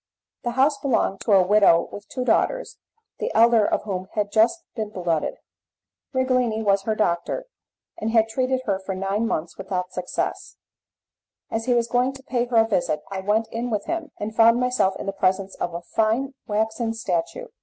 The house belonged to a widow with two daughters, the elder of whom had just been blooded. Righelini was her doctor, and had treated her for nine months without success. As he was going to pay her a visit I went in with him, and found myself in the presence of a fine waxen statue.